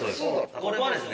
ここはですね